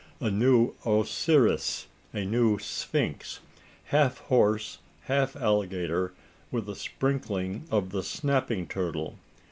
A new Osiris a new Sphinx, "half horse, half alligator, with a sprinkling of the snapping turtle."